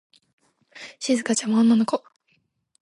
しずかちゃんは女の子。